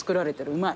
うまい。